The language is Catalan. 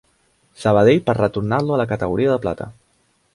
Sabadell per retornar-lo a la categoria de plata.